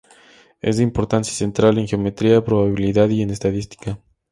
Es de importancia central en geometría, probabilidad y en estadística.